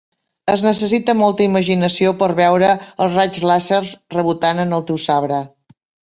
Es necessita molta imaginació per veure els raigs làser rebotant en el teu sabre.